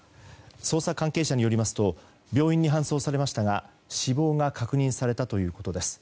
捜査関係者によりますと病院に搬送されましたが死亡が確認されたということです。